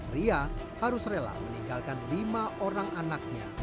ria harus rela meninggalkan lima orang anaknya